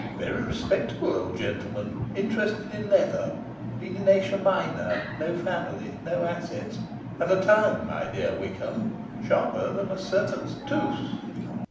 Very respectable old gentleman; interested in leather; been to Asia Minor; no family, no assets and a tongue, my dear Wickham, sharper than a serpent's tooth.